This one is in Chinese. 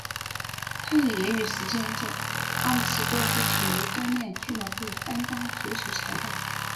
他于业余时间在拉姆斯多夫体育锻炼俱乐部担当足球裁判。